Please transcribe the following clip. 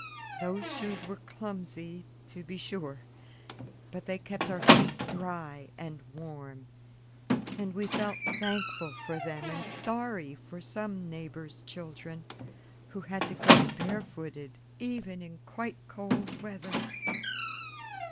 Those shoes were clumsy, to be sure; but they kept our feet dry and warm, and we felt thankful for them and sorry for some neighbors' children, who had to go barefooted even in quite cold weather.